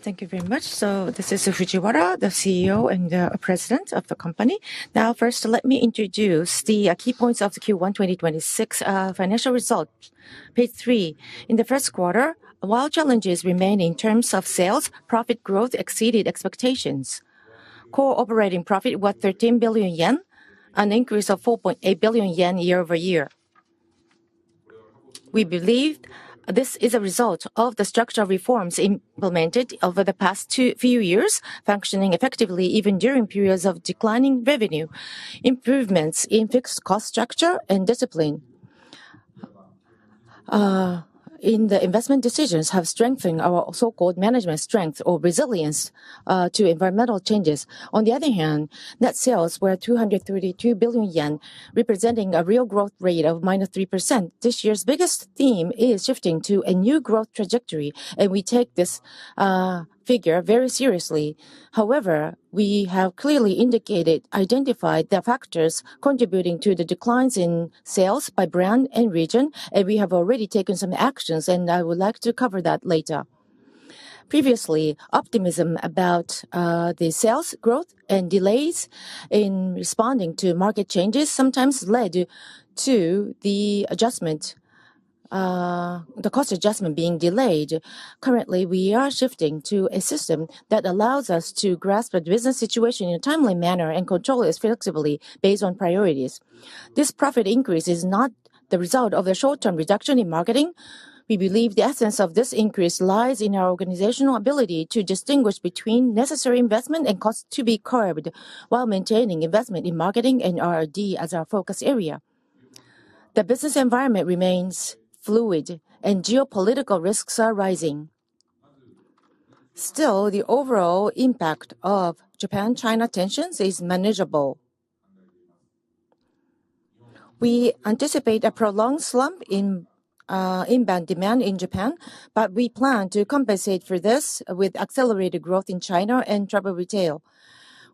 Thank you very much. This is Fujiwara, the CEO and President of the company. First, let me introduce the key points of the Q1 2026 financial results. Page three. In the first quarter, while challenges remain in terms of sales, profit growth exceeded expectations. Core Operating Profit was 13 billion yen, an increase of 4.8 billion yen year-over-year. We believe this is a result of the structural reforms implemented over the past few years, functioning effectively even during periods of declining revenue. Improvements in fixed cost structure and discipline in the investment decisions have strengthened our so-called management strength or resilience to environmental changes. On the other hand, net sales were 232 billion yen, representing a real growth rate of -3%. This year's biggest theme is shifting to a new growth trajectory, and we take this figure very seriously. However, we have clearly identified the factors contributing to the declines in sales by brand and region, and we have already taken some actions, and I would like to cover that later. Previously, optimism about the sales growth and delays in responding to market changes sometimes led to the adjustment, the cost adjustment being delayed. Currently, we are shifting to a system that allows us to grasp the business situation in a timely manner and control it flexibly based on priorities. This profit increase is not the result of a short-term reduction in marketing. We believe the essence of this increase lies in our organizational ability to distinguish between necessary investment and cost to be curbed while maintaining investment in marketing and R&D as our focus area. The business environment remains fluid and geopolitical risks are rising. The overall impact of Japan-China tensions is manageable. We anticipate a prolonged slump in inbound demand in Japan, but we plan to compensate for this with accelerated growth in China and travel retail.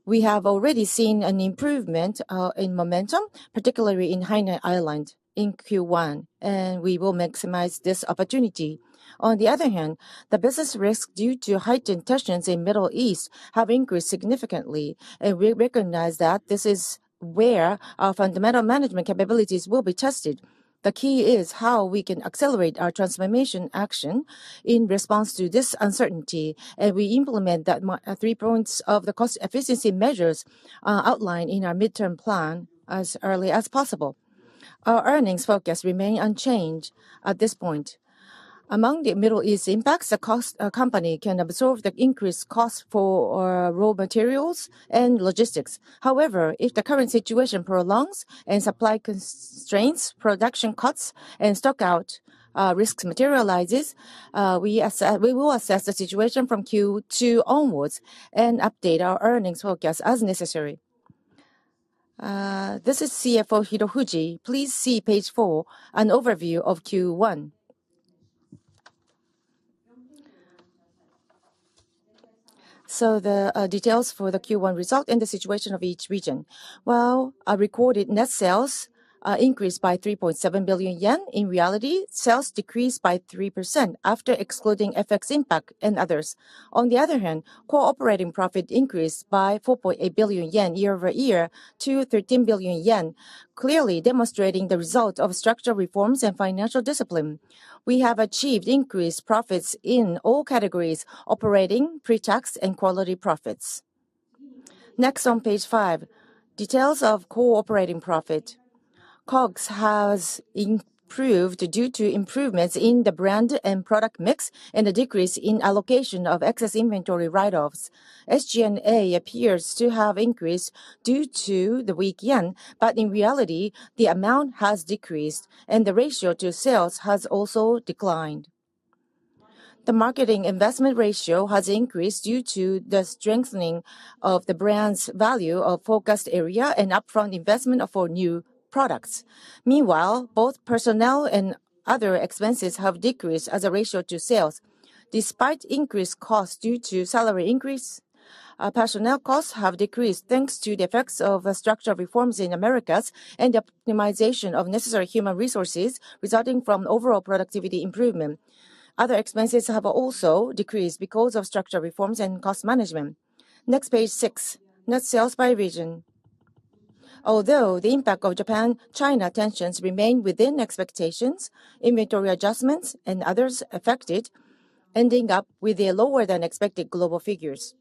We have already seen an improvement in momentum, particularly in Hainan Island in Q1, and we will maximize this opportunity. On the other hand, the business risks due to heightened tensions in Middle East have increased significantly, and we recognize that this is where our fundamental management capabilities will be tested. The key is how we can accelerate our transformation action in response to this uncertainty, and we implement that 3 points of the cost efficiency measures outlined in our midterm plan as early as possible. Our earnings forecast remain unchanged at this point. Among the Middle East impacts, the cost company can absorb the increased cost for raw materials and logistics. However, if the current situation prolongs and supply constraints, production cuts, and stock out risks materializes, we will assess the situation from Q2 onwards and update our earnings forecast as necessary. This is CFO Hirofuji. Please see page four, an overview of Q1. The details for the Q1 result and the situation of each region. While our recorded net sales increased by 3.7 billion yen, in reality, sales decreased by 3% after excluding FX impact and others. On the other hand, core operating profit increased by 4.8 billion yen year-over-year to 13 billion yen, clearly demonstrating the result of structural reforms and financial discipline. We have achieved increased profits in all categories, operating, pre-tax, and quality profits. Next on page five, details of core operating profit. COGS has improved due to improvements in the brand and product mix and a decrease in allocation of excess inventory write-offs. SG&A appears to have increased due to the weak yen, but in reality, the amount has decreased and the ratio to sales has also declined. The marketing investment ratio has increased due to the strengthening of the brand's value of focused area and upfront investment for new products. Meanwhile, both personnel and other expenses have decreased as a ratio to sales. Despite increased costs due to salary increase, our personnel costs have decreased thanks to the effects of structural reforms in Americas and the optimization of necessary human resources resulting from overall productivity improvement. Other expenses have also decreased because of structural reforms and cost management. Next, page six, net sales by region. Although the impact of Japan-China tensions remained within expectations, inventory adjustments and others affected ending up with a lower than expected global figures.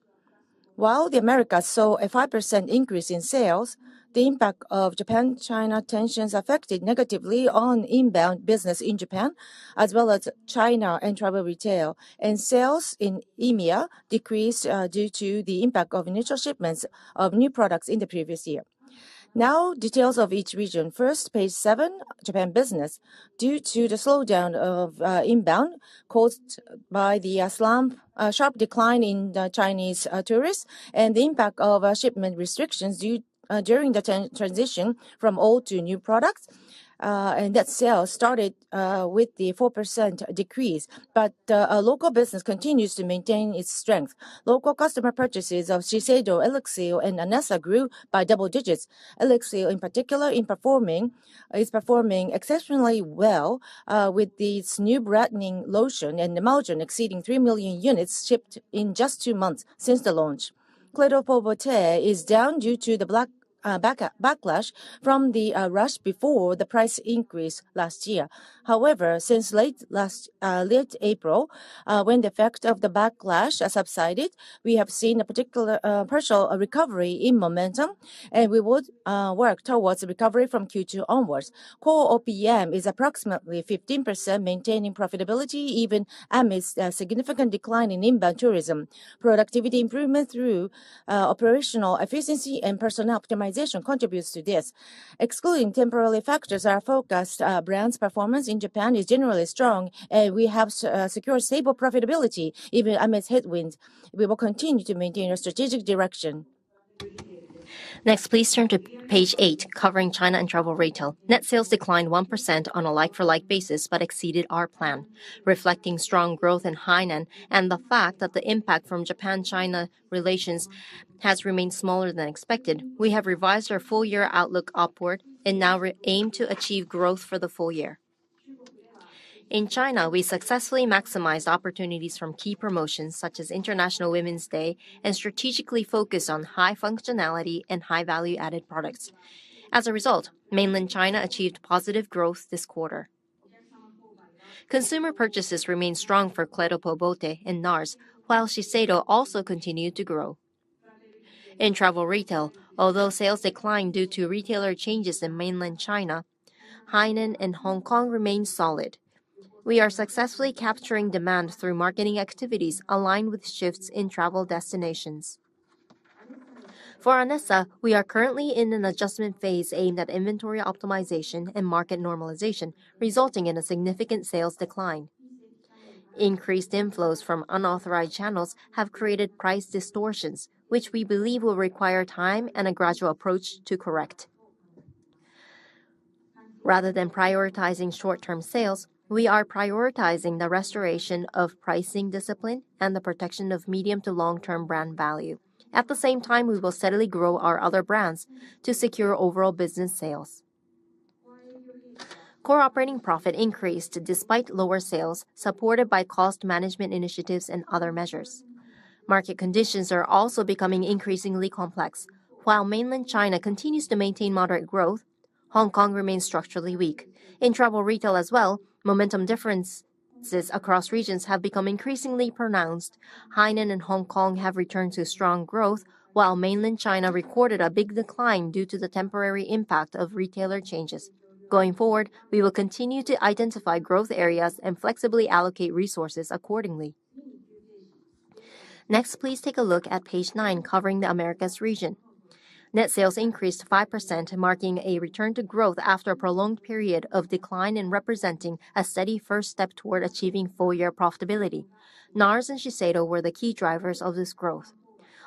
While the Americas saw a 5% increase in sales, the impact of Japan-China tensions affected negatively on inbound business in Japan as well as China and travel retail. Sales in EMEA decreased due to the impact of initial shipments of new products in the previous year. Now details of each region. First, page seven, Japan business. Due to the slowdown of inbound caused by the sharp decline in the Chinese tourists and the impact of shipment restrictions during the transition from old to new products, net sales started with the 4% decrease. Local business continues to maintain its strength. Local customer purchases of Shiseido, ELIXIR, and ANESSA grew by double digits. ELIXIR in particular is performing exceptionally well, with its new brightening lotion and emulsion exceeding 3 million units shipped in just 2 months since the launch. Clé de Peau Beauté is down due to the backlash from the rush before the price increase last year. However, since late last, late April, when the effect of the backlash has subsided, we have seen a particular, partial recovery in momentum, and we would work towards a recovery from Q2 onwards. Core OPM is approximately 15% maintaining profitability even amidst a significant decline in inbound tourism. Productivity improvement through operational efficiency and personnel optimization contributes to this. Excluding temporary factors, our focused brands' performance in Japan is generally strong, and we have secured stable profitability even amidst headwinds. We will continue to maintain our strategic direction. Next, please turn to page eight, covering China and travel retail. Net sales declined 1% on a like-for-like basis, but exceeded our plan. Reflecting strong growth in Hainan and the fact that the impact from Japan-China relations has remained smaller than expected, we have revised our full year outlook upward and now re-aim to achieve growth for the full year. In China, we successfully maximized opportunities from key promotions such as International Women's Day and strategically focused on high functionality and high value-added products. As a result, Mainland China achieved positive growth this quarter. Consumer purchases remained strong for Clé de Peau Beauté and NARS, while Shiseido also continued to grow. In travel retail, although sales declined due to retailer changes in Mainland China, Hainan and Hong Kong remained solid. We are successfully capturing demand through marketing activities aligned with shifts in travel destinations. For ANESSA, we are currently in an adjustment phase aimed at inventory optimization and market normalization, resulting in a significant sales decline. Increased inflows from unauthorized channels have created price distortions, which we believe will require time and a gradual approach to correct. Rather than prioritizing short-term sales, we are prioritizing the restoration of pricing discipline and the protection of medium to long-term brand value. At the same time, we will steadily grow our other brands to secure overall business sales. core operating profit increased despite lower sales, supported by cost management initiatives and other measures. Market conditions are also becoming increasingly complex. While Mainland China continues to maintain moderate growth, Hong Kong remains structurally weak. In travel retail as well, momentum differences across regions have become increasingly pronounced. Hainan and Hong Kong have returned to strong growth, while Mainland China recorded a big decline due to the temporary impact of retailer changes. Going forward, we will continue to identify growth areas and flexibly allocate resources accordingly. Next, please take a look at page nine covering the Americas region. Net sales increased 5%, marking a return to growth after a prolonged period of decline and representing a steady first step toward achieving full-year profitability. NARS and Shiseido were the key drivers of this growth.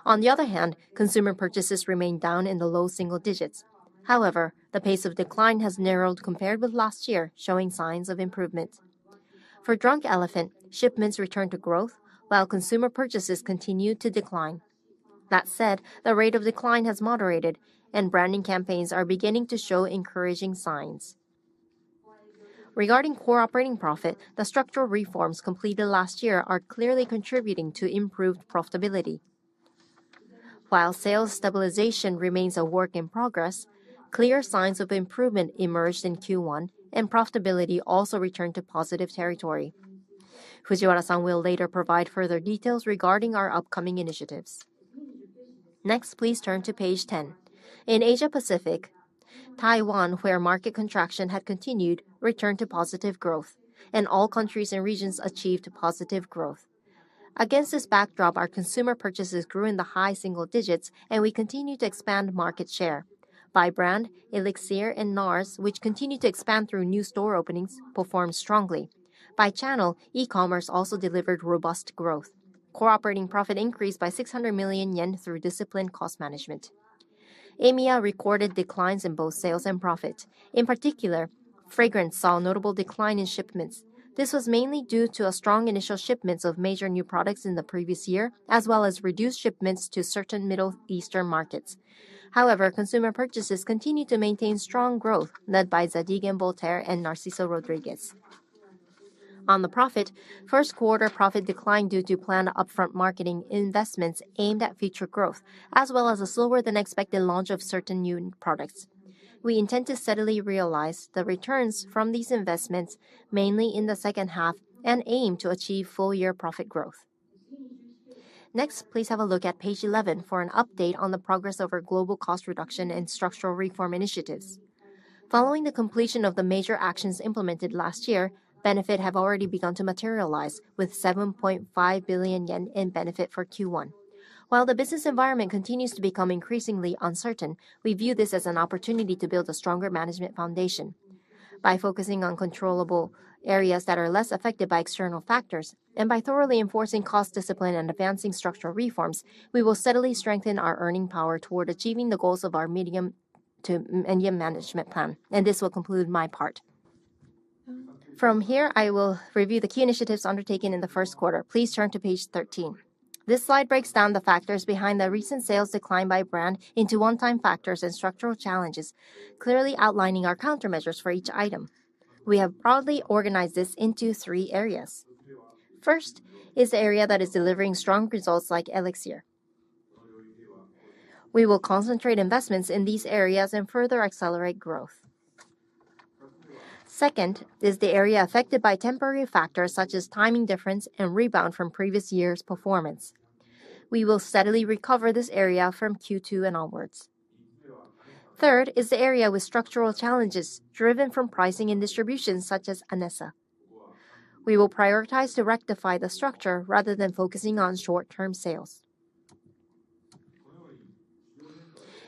On the other hand, consumer purchases remained down in the low single digits. However, the pace of decline has narrowed compared with last year, showing signs of improvement. For Drunk Elephant, shipments returned to growth while consumer purchases continued to decline. That said, the rate of decline has moderated and branding campaigns are beginning to show encouraging signs. Regarding core operating profit, the structural reforms completed last year are clearly contributing to improved profitability. While sales stabilization remains a work in progress, clear signs of improvement emerged in Q1 and profitability also returned to positive territory. Fujiwara-san will later provide further details regarding our upcoming initiatives. Next, please turn to page 10. In Asia Pacific, Taiwan, where market contraction had continued, returned to positive growth, and all countries and regions achieved positive growth. Against this backdrop, our consumer purchases grew in the high single digits, and we continue to expand market share. By brand, ELIXIR and NARS, which continue to expand through new store openings, performed strongly. By channel, e-commerce also delivered robust growth. Core operating profit increased by 600 million yen through disciplined cost management. EMEA recorded declines in both sales and profit. In particular, fragrance saw a notable decline in shipments. This was mainly due to a strong initial shipments of major new products in the previous year, as well as reduced shipments to certain Middle Eastern markets. Consumer purchases continued to maintain strong growth led by Zadig & Voltaire and Narciso Rodriguez. On the profit, first quarter profit declined due to planned upfront marketing investments aimed at future growth, as well as a slower than expected launch of certain new products. We intend to steadily realize the returns from these investments mainly in the second half and aim to achieve full-year profit growth. Next, please have a look at page 11 for an update on the progress of our global cost reduction and structural reform initiatives. Following the completion of the major actions implemented last year, benefit have already begun to materialize with 7.5 billion yen in benefit for Q1. While the business environment continues to become increasingly uncertain, we view this as an opportunity to build a stronger management foundation. By focusing on controllable areas that are less affected by external factors and by thoroughly enforcing cost discipline and advancing structural reforms, we will steadily strengthen our earning power toward achieving the goals of our medium to medium management plan. This will conclude my part. From here, I will review the key initiatives undertaken in the first quarter. Please turn to page 13. This slide breaks down the factors behind the recent sales decline by brand into one-time factors and structural challenges, clearly outlining our countermeasures for each item. We have broadly organized this into three areas. First is the area that is delivering strong results like ELIXIR. We will concentrate investments in these areas and further accelerate growth. Second is the area affected by temporary factors such as timing difference and rebound from previous year's performance. We will steadily recover this area from Q2 and onwards. Third is the area with structural challenges driven from pricing and distribution such as ANESSA. We will prioritize to rectify the structure rather than focusing on short-term sales.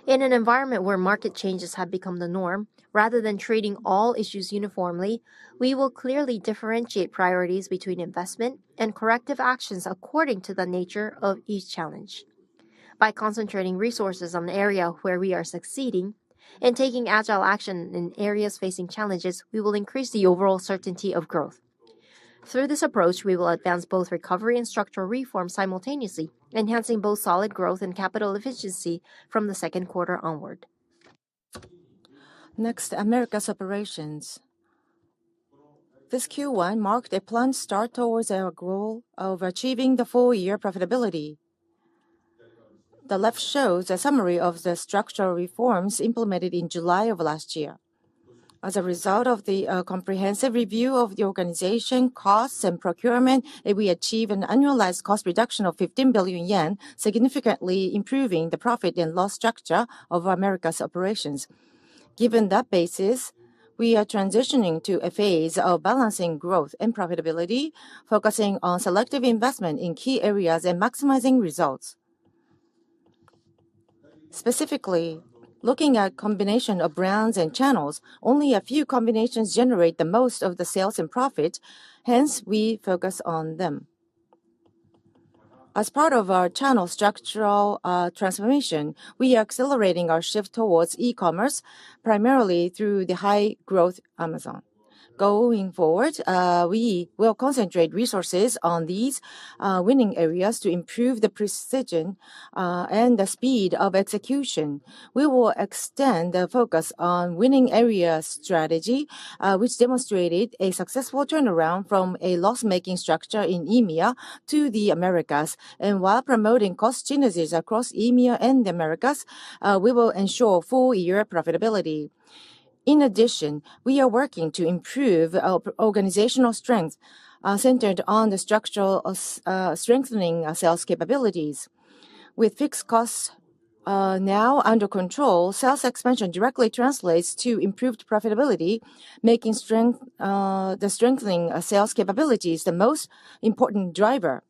In an environment where market changes have become the norm, rather than treating all issues uniformly, we will clearly differentiate priorities between investment and corrective actions according to the nature of each challenge. By concentrating resources on the area where we are succeeding and taking agile action in areas facing challenges, we will increase the overall certainty of growth. Through this approach, we will advance both recovery and structural reform simultaneously, enhancing both solid growth and capital efficiency from the second quarter onward. Next, Americas operations. This Q1 marked a planned start towards our goal of achieving the full year profitability. The left shows a summary of the structural reforms implemented in July of last year. As a result of the comprehensive review of the organization costs and procurement, we achieve an annualized cost reduction of 15 billion yen, significantly improving the profit and loss structure of Americas operations. Given that basis, we are transitioning to a phase of balancing growth and profitability, focusing on selective investment in key areas and maximizing results. Specifically, looking at combination of brands and channels, only a few combinations generate the most of the sales and profit, hence we focus on them. As part of our channel structural transformation, we are accelerating our shift towards e-commerce, primarily through the high-growth Amazon. Going forward, we will concentrate resources on these winning areas to improve the precision and the speed of execution. We will extend the focus on winning area strategy, which demonstrated a successful turnaround from a loss-making structure in EMEA to the Americas. While promoting cost synergies across EMEA and the Americas, we will ensure full year profitability. In addition, we are working to improve our organizational strength, centered on the structural strengthening our sales capabilities. With fixed costs now under control, sales expansion directly translates to improved profitability, making strength the strengthening of sales capabilities the most important driver.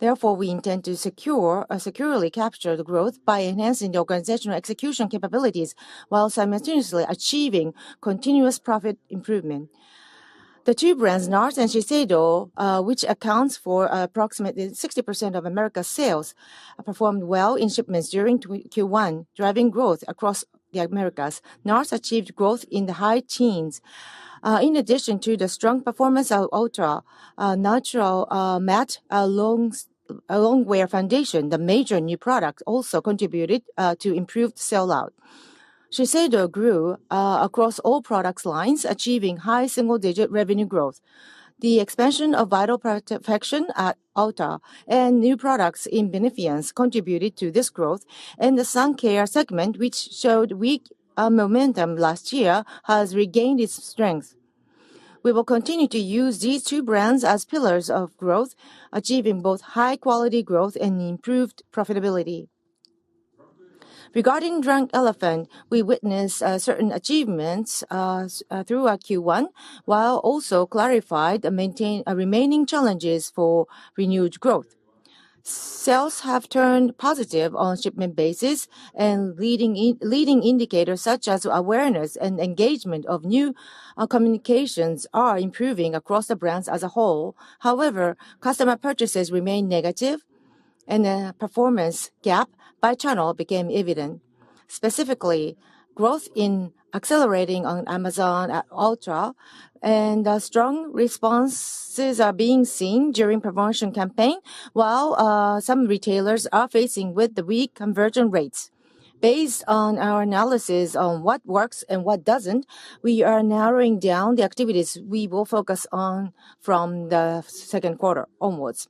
We intend to securely capture the growth by enhancing the organizational execution capabilities while simultaneously achieving continuous profit improvement. The two brands, NARS and Shiseido, which accounts for approximately 60% of Americas sales, performed well in shipments during Q1, driving growth across the Americas. NARS achieved growth in the high teens. In addition to the strong performance of Ulta, Natural Radiant Longwear Foundation, the major new product also contributed to improved sell-out. Shiseido grew across all products lines, achieving high single-digit revenue growth. The expansion of Vital Perfection at Ulta and new products in Benefiance contributed to this growth. The sun care segment, which showed weak momentum last year, has regained its strength. We will continue to use these two brands as pillars of growth, achieving both high quality growth and improved profitability. Regarding Drunk Elephant, we witnessed certain achievements throughout Q1, while also clarified the remaining challenges for renewed growth. Sales have turned positive on shipment basis and leading indicators such as awareness and engagement of new communications are improving across the brands as a whole. Customer purchases remain negative and the performance gap by channel became evident. Specifically, growth is accelerating on Amazon at Ulta and strong responses are being seen during promotion campaign, while some retailers are facing with the weak conversion rates. Based on our analysis on what works and what doesn't, we are narrowing down the activities we will focus on from the second quarter onwards.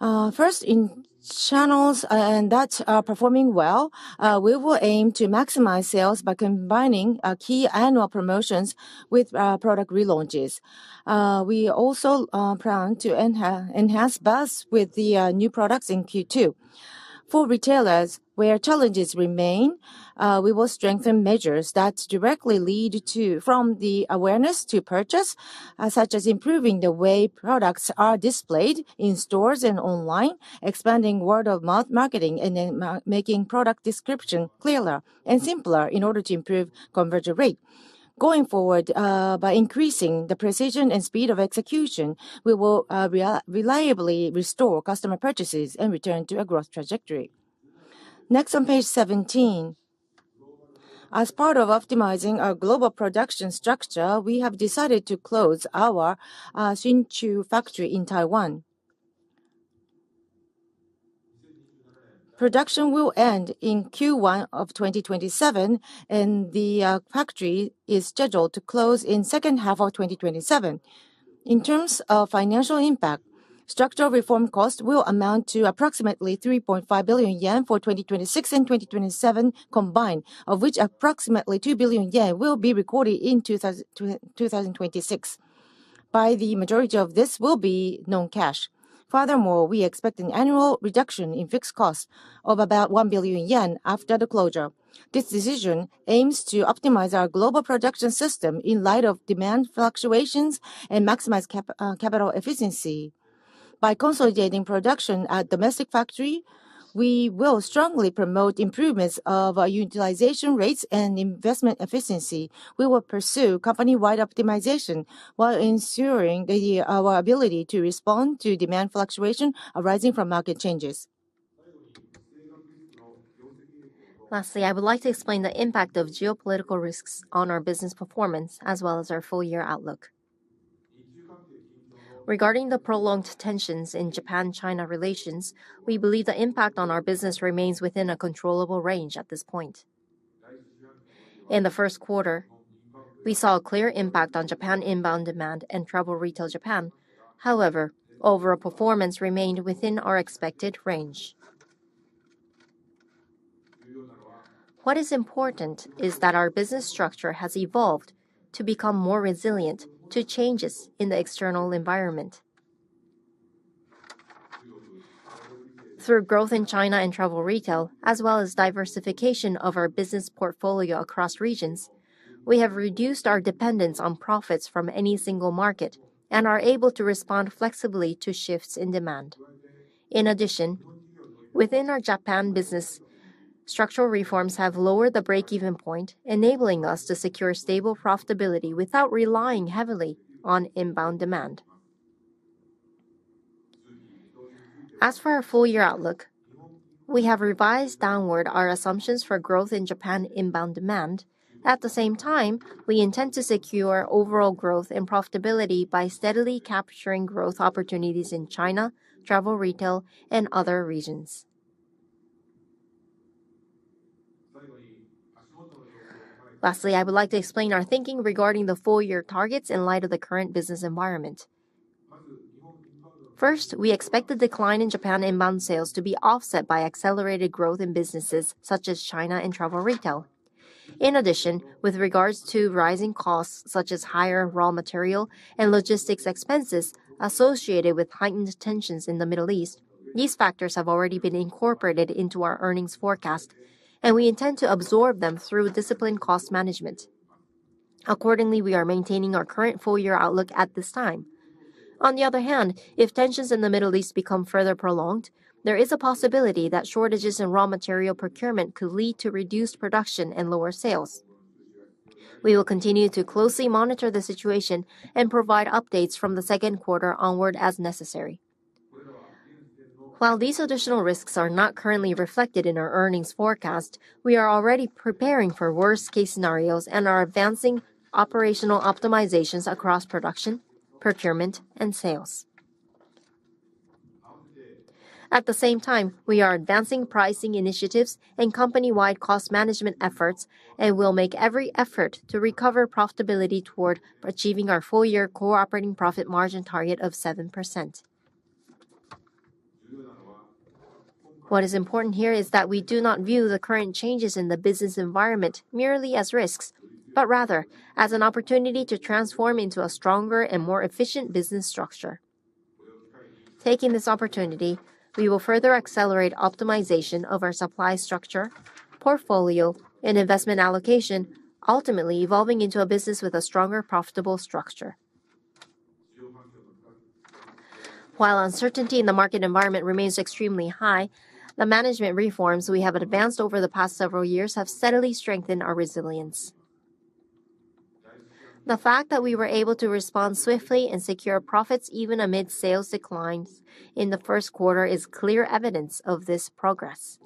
First, in channels that are performing well, we will aim to maximize sales by combining key annual promotions with product relaunches. We also plan to enhance buzz with the new products in Q2. For retailers where challenges remain, we will strengthen measures that directly lead from the awareness to purchase, such as improving the way products are displayed in stores and online, expanding word-of-mouth marketing, and then making product description clearer and simpler in order to improve conversion rate. Going forward, by increasing the precision and speed of execution, we will reliably restore customer purchases and return to a growth trajectory. Next on page 17. As part of optimizing our global production structure, we have decided to close our Hsinchu factory in Taiwan. Production will end in Q1 of 2027, and the factory is scheduled to close in second half of 2027. In terms of financial impact, structural reform costs will amount to approximately 3.5 billion yen for 2026 and 2027 combined, of which approximately 2 billion yen will be recorded in 2026, the majority of this will be non-cash. Furthermore, we expect an annual reduction in fixed costs of about 1 billion yen after the closure. This decision aims to optimize our global production system in light of demand fluctuations and maximize capital efficiency. By consolidating production at domestic factory, we will strongly promote improvements of our utilization rates and investment efficiency. We will pursue company-wide optimization while ensuring our ability to respond to demand fluctuation arising from market changes. Lastly, I would like to explain the impact of geopolitical risks on our business performance as well as our full year outlook. Regarding the prolonged tensions in Japan-China relations, we believe the impact on our business remains within a controllable range at this point. In the first quarter, we saw a clear impact on Japan inbound demand and travel retail Japan. However, overall performance remained within our expected range. What is important is that our business structure has evolved to become more resilient to changes in the external environment. Through growth in China and travel retail, as well as diversification of our business portfolio across regions, we have reduced our dependence on profits from any single market and are able to respond flexibly to shifts in demand. In addition, within our Japan business, structural reforms have lowered the break-even point, enabling us to secure stable profitability without relying heavily on inbound demand. As for our full year outlook, we have revised downward our assumptions for growth in Japan inbound demand. At the same time, we intend to secure overall growth and profitability by steadily capturing growth opportunities in China, travel retail, and other regions. Lastly, I would like to explain our thinking regarding the full year targets in light of the current business environment. First, we expect the decline in Japan inbound sales to be offset by accelerated growth in businesses such as China and travel retail. In addition, with regards to rising costs such as higher raw material and logistics expenses associated with heightened tensions in the Middle East, these factors have already been incorporated into our earnings forecast, and we intend to absorb them through disciplined cost management. Accordingly, we are maintaining our current full year outlook at this time. On the other hand, if tensions in the Middle East become further prolonged, there is a possibility that shortages in raw material procurement could lead to reduced production and lower sales. We will continue to closely monitor the situation and provide updates from the second quarter onward as necessary. While these additional risks are not currently reflected in our earnings forecast, we are already preparing for worst case scenarios and are advancing operational optimizations across production, procurement, and sales. At the same time, we are advancing pricing initiatives and company-wide cost management efforts, and we'll make every effort to recover profitability toward achieving our full year Core Operating Profit Margin target of 7%. What is important here is that we do not view the current changes in the business environment merely as risks, but rather as an opportunity to transform into a stronger and more efficient business structure. Taking this opportunity, we will further accelerate optimization of our supply structure, portfolio, and investment allocation, ultimately evolving into a business with a stronger profitable structure. While uncertainty in the market environment remains extremely high, the management reforms we have advanced over the past several years have steadily strengthened our resilience. The fact that we were able to respond swiftly and secure profits even amid sales declines in the first quarter is clear evidence of this progress.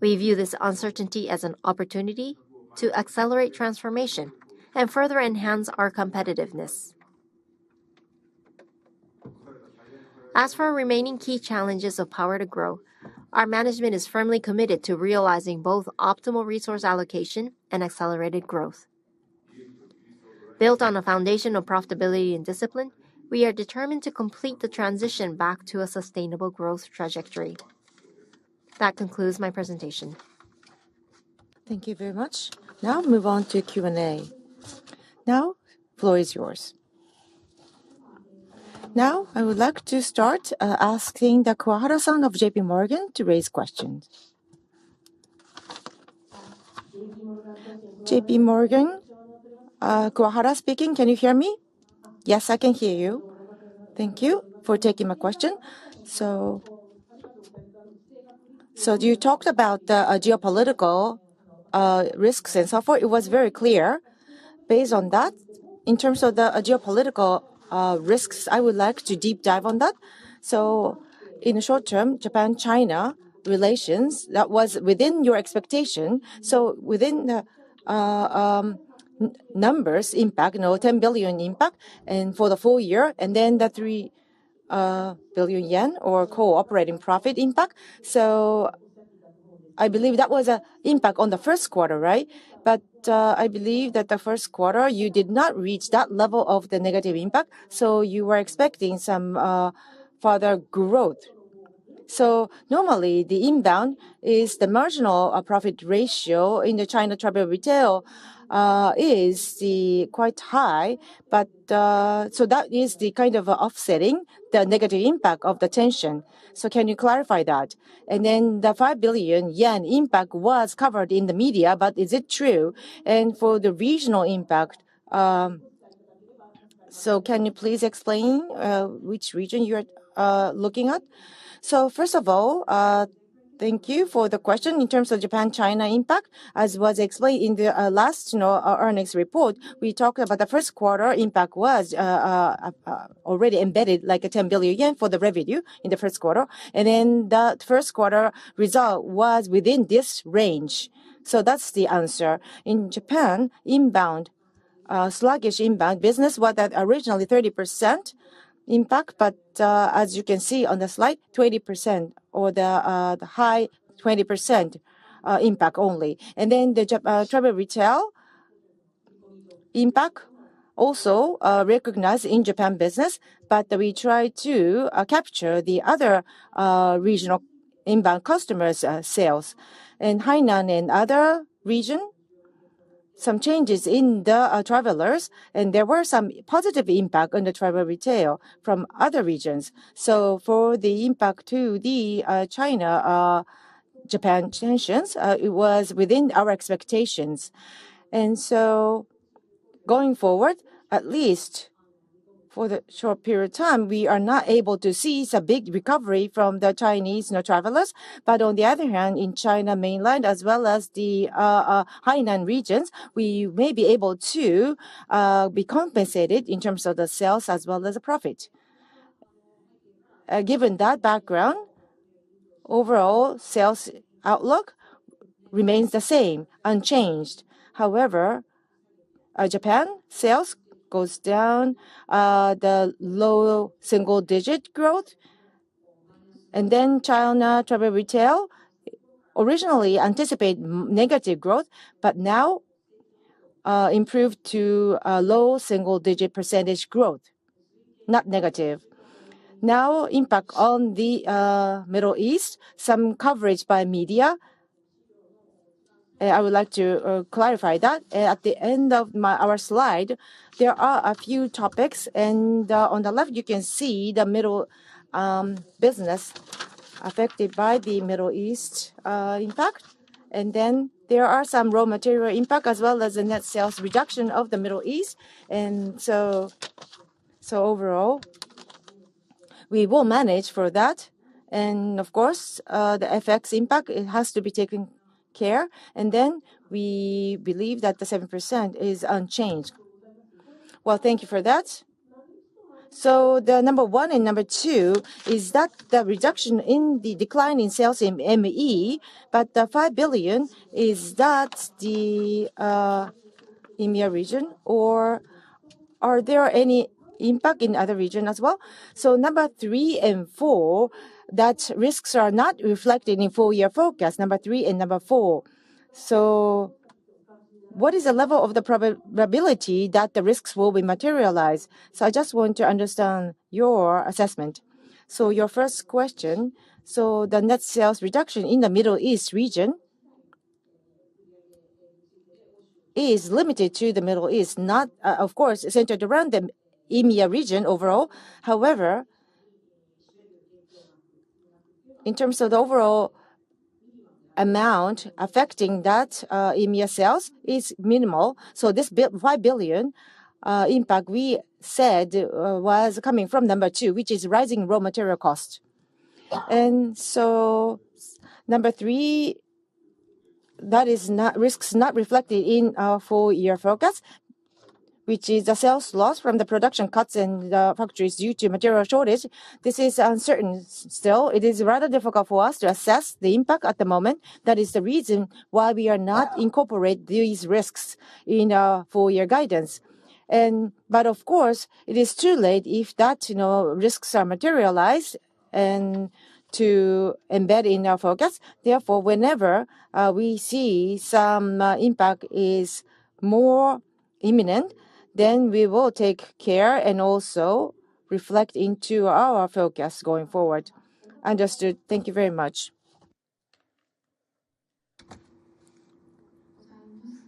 We view this uncertainty as an opportunity to accelerate transformation and further enhance our competitiveness. As for our remaining key challenges of power to grow, our management is firmly committed to realizing both optimal resource allocation and accelerated growth. Built on a foundation of profitability and discipline, we are determined to complete the transition back to a sustainable growth trajectory. That concludes my presentation. Thank you very much. Move on to Q&A. The floor is yours. I would like to start asking Kuwahara-san of JPMorgan to raise questions. JPMorgan, Kuwahara speaking. Can you hear me? Yes, I can hear you. Thank you for taking my question. You talked about the geopolitical risks and so forth. It was very clear. Based on that, in terms of the geopolitical risks, I would like to deep dive on that. In short term, Japan-China relations, that was within your expectation. Within the N-numbers impact, you know, 10 billion impact and for the full year, and then the 3 billion yen or core operating profit impact. I believe that was an impact on the first quarter, right? I believe that the first quarter you did not reach that level of the negative impact, you were expecting some further growth. Normally the inbound is the marginal profit ratio in the China travel retail is the quite high. That is the kind of offsetting the negative impact of the tension. Can you clarify that? The 5 billion yen impact was covered in the media, but is it true? For the regional impact, can you please explain which region you're looking at? First of all, thank you for the question. In terms of Japan-China impact, as was explained in the last, you know, earnings report, we talked about the first quarter impact was already embedded like a 10 billion yen for the revenue in the first quarter. That first quarter result was within this range. That's the answer. In Japan, inbound, sluggish inbound business was at originally 30% impact, but as you can see on the slide, 20% or the high 20% impact only. The travel retail impact also recognized in Japan business, but we try to capture the other regional inbound customers sales. In Hainan and other region, some changes in the travelers and there were some positive impact on the travel retail from other regions. For the impact to the China Japan tensions, it was within our expectations. Going forward, at least for the short period of time, we are not able to see some big recovery from the Chinese, you know, travelers. On the other hand, in China mainland as well as the Hainan regions, we may be able to be compensated in terms of the sales as well as the profit. Given that background, overall sales outlook remains the same, unchanged. However, Japan sales goes down the low single-digit growth. China travel retail originally anticipate negative growth, but now improved to a low single-digit percentage growth, not negative. Impact on the Middle East, some coverage by media. I would like to clarify that. At the end of our slide, there are a few topics, on the left you can see the business affected by the Middle East impact. There are some raw material impact as well as the net sales reduction of the Middle East. So overall, we will manage for that. Of course, the FX impact, it has to be taken care. We believe that the 7% is unchanged. Well, thank you for that. The number one and number two is that the reduction in the decline in sales in ME, but the 5 billion, is that the EMEA region or are there any impact in other region as well? Number three and four, that risks are not reflected in full year forecast, number three and number four. What is the level of the probability that the risks will be materialized? I just want to understand your assessment. Your first question, the net sales reduction in the Middle East region is limited to the Middle East, not, of course, centered around the EMEA region overall. However, in terms of the overall amount affecting that EMEA sales is minimal. This 5 billion impact we said was coming from number two, which is rising raw material cost. Number three, risks not reflected in our full year forecast, which is the sales loss from the production cuts in the factories due to material shortage. This is uncertain still. It is rather difficult for us to assess the impact at the moment. That is the reason why we are not incorporate these risks in our full year guidance. Of course, it is too late if that, you know, risks are materialized and to embed in our forecast. Whenever we see some impact is more imminent, then we will take care and also reflect into our forecast going forward. Understood. Thank you very much.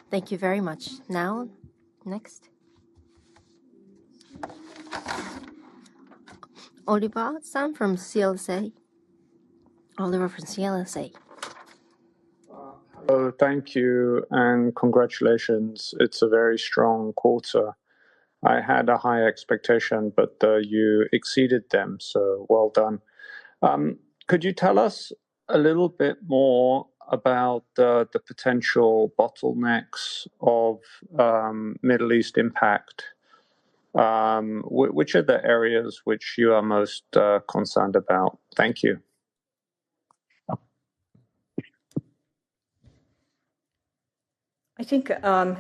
Thank you very much. Now, next. Oliver Matthew from CLSA. Oliver from CLSA. Hello, thank you and congratulations. It's a very strong quarter. I had a high expectation, but you exceeded them, so well done. Could you tell us a little bit more about the potential bottlenecks of Middle East impact? Which are the areas which you are most concerned about? Thank you. I think,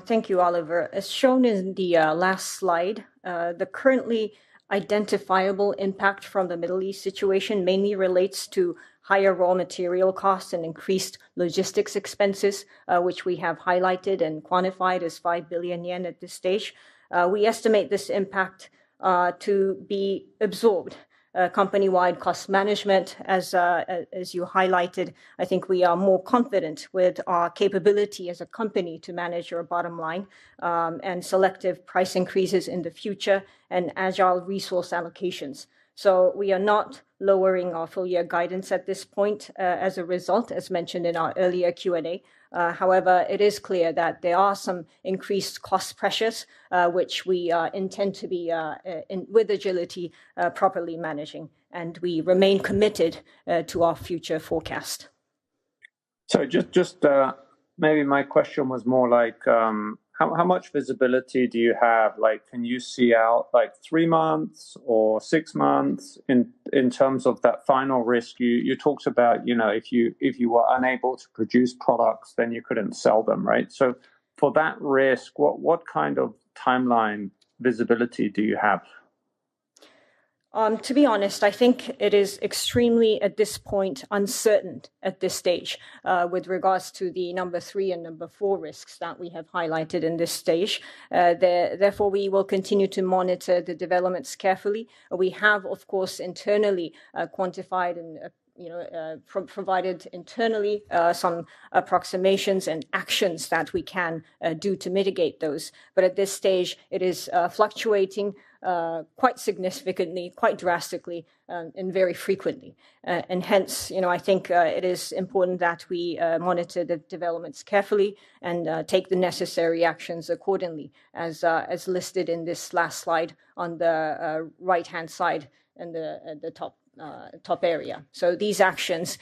thank you, Oliver. As shown in the last slide, the currently identifiable impact from the Middle East situation mainly relates to higher raw material costs and increased logistics expenses, which we have highlighted and quantified as 5 billion yen at this stage. We estimate this impact to be absorbed, company-wide cost management as you highlighted. I think we are more confident with our capability as a company to manage our bottom line, and selective price increases in the future and agile resource allocations. We are not lowering our full year guidance at this point, as a result, as mentioned in our earlier Q&A. However, it is clear that there are some increased cost pressures, which we are intend to be in with agility, properly managing, and we remain committed to our future forecast. Just, maybe my question was more like, how much visibility do you have? Like, can you see out like three months or six months in terms of that final risk you talked about, you know, if you, if you were unable to produce products then you couldn't sell them, right? For that risk, what kind of timeline visibility do you have? To be honest, I think it is extremely, at this point, uncertain at this stage, with regards to the number three and number four risks that we have highlighted in this stage. Therefore, we will continue to monitor the developments carefully. We have, of course, internally, quantified and, you know, provided internally, some approximations and actions that we can do to mitigate those. At this stage it is fluctuating quite significantly, quite drastically, and very frequently. Hence, you know, I think it is important that we monitor the developments carefully and take the necessary actions accordingly as listed in this last slide on the right-hand side and the top area. These actions,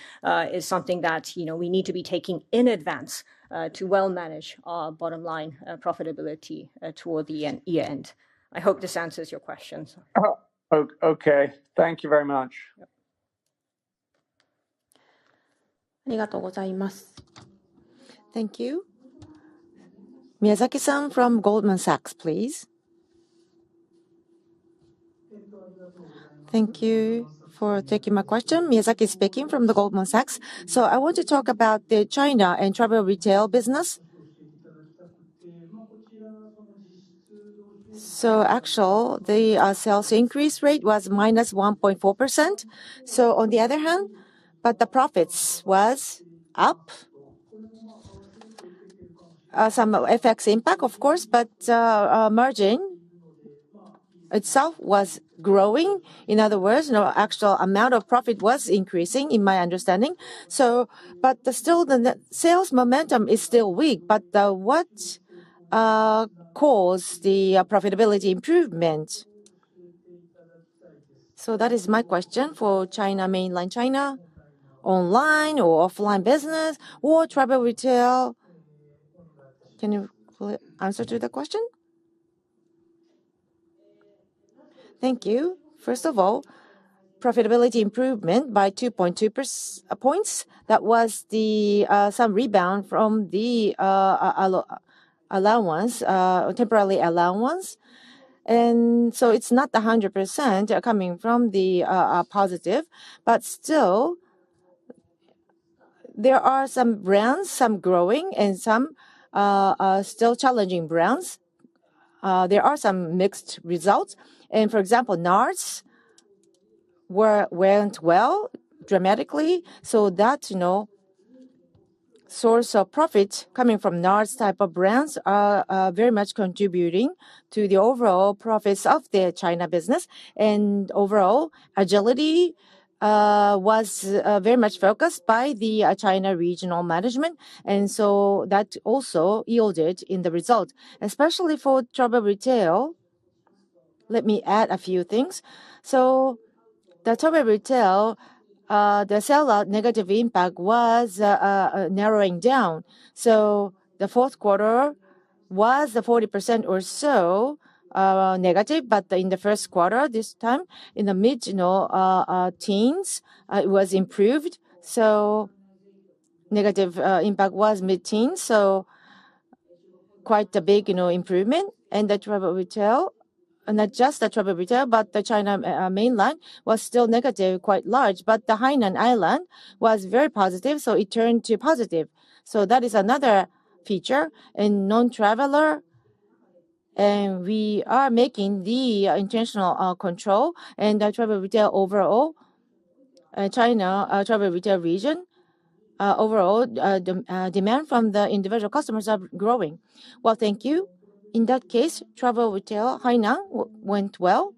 is something that, you know, we need to be taking in advance, to well manage our bottom line, profitability, toward the end, year-end. I hope this answers your questions. Okay. Thank you very much. Yep. Thank you. Miyazaki-san from Goldman Sachs, please. Thank you for taking my question. Miyazaki speaking from Goldman Sachs. I want to talk about the China and travel retail business. Actual, the sales increase rate was -1.4%. On the other hand, but the profits was up. Some FX impact of course, but margin itself was growing. In other words, you know, actual amount of profit was increasing, in my understanding. The sales momentum is still weak, but what caused the profitability improvement? That is my question for China, mainland China, online or offline business or travel retail. Can you answer to the question? Thank you. First of all, profitability improvement by 2.2 points. That was the some rebound from the allowance, temporarily allowance. It's not 100% coming from the positive, but still there are some brands, some growing and some still challenging brands. There are some mixed results. For example, NARS were went well dramatically so that, you know, source of profit coming from NARS type of brands are very much contributing to the overall profits of the China business. Overall agility was very much focused by the China regional management. That also yielded in the result. Especially for travel retail, let me add a few things. The travel retail, the sell-out negative impact was narrowing down. The fourth quarter was the 40% or so negative. In the first quarter this time in the mid, you know, teens, it was improved. Negative impact was mid-teens. Quite a big, you know, improvement in the travel retail. Not just the travel retail, but the China mainland was still negative, quite large. The Hainan Island was very positive, it turned to positive. That is another feature in non-traveler. We are making the intentional control and the travel retail overall, China travel retail region overall, demand from the individual customers are growing. Well, thank you. In that case, travel retail, Hainan went well,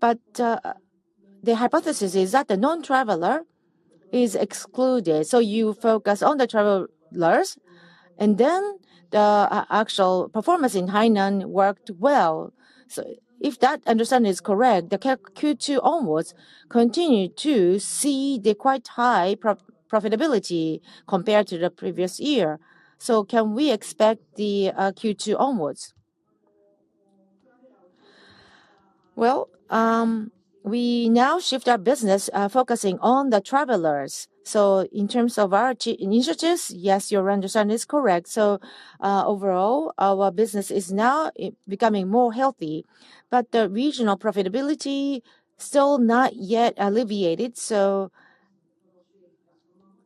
the hypothesis is that the non-traveler is excluded. You focus on the travelers, the actual performance in Hainan worked well. If that understanding is correct, the Q2 onwards continue to see the quite high profitability compared to the previous year. Can we expect the Q2 onwards? We now shift our business, focusing on the travelers. In terms of our initiatives, yes, your understanding is correct. Overall, our business is now becoming more healthy, but the regional profitability still not yet alleviated.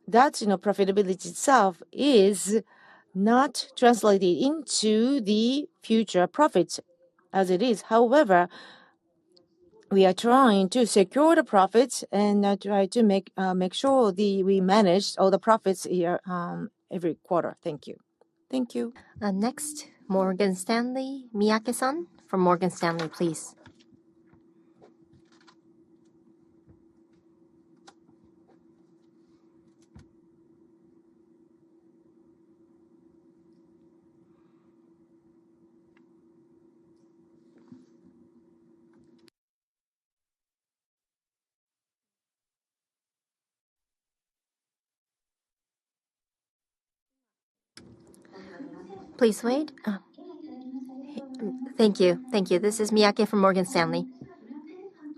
That's, you know, profitability itself is not translated into the future profits as it is. We are trying to secure the profits and try to make sure we manage all the profits here every quarter. Thank you. Thank you. Next, Morgan Stanley. Miyake-san from Morgan Stanley, please. Please wait. Oh. Thank you. Thank you. This is Miyake from Morgan Stanley.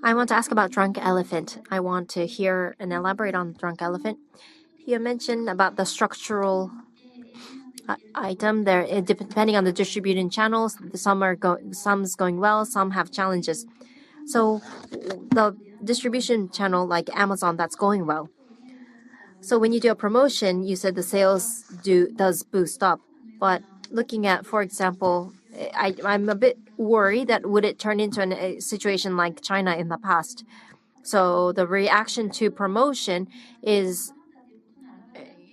I want to ask about Drunk Elephant. I want to hear and elaborate on Drunk Elephant. You mentioned about the structural item there. depending on the distributing channels, some is going well, some have challenges. The distribution channel like Amazon, that's going well. When you do a promotion, you said the sales does boost up. Looking at, for example, I'm a bit worried that would it turn into a situation like China in the past? The reaction to promotion is,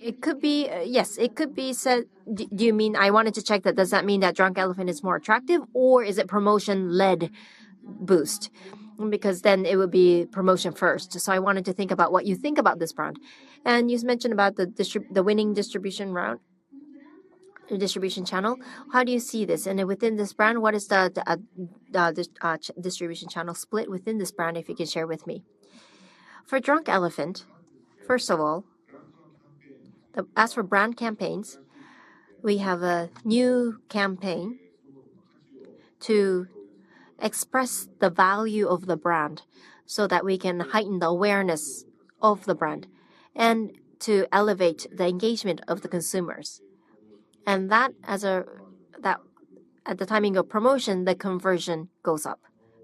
it could be Yes, it could be said. Do you mean I wanted to check that does that mean that Drunk Elephant is more attractive or is it promotion-led boost? It would be promotion first. I wanted to think about what you think about this brand. You mentioned about the winning distribution route, distribution channel. How do you see this? Within this brand, what is the distribution channel split within this brand, if you could share with me. For Drunk Elephant, first of all, as for brand campaigns, we have a new campaign to express the value of the brand so that we can heighten the awareness of the brand and to elevate the engagement of the consumers. At the timing of promotion, the conversion goes up.